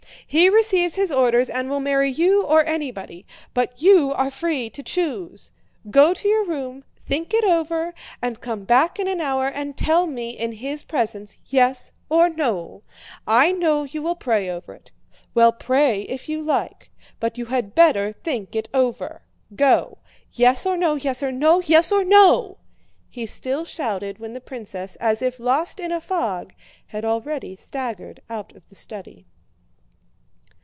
He receives his orders and will marry you or anybody; but you are free to choose.... Go to your room, think it over, and come back in an hour and tell me in his presence: yes or no. I know you will pray over it. Well, pray if you like, but you had better think it over. Go! Yes or no, yes or no, yes or no!" he still shouted when the princess, as if lost in a fog, had already staggered out of the study.